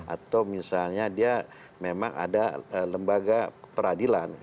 atau misalnya dia memang ada lembaga peradilan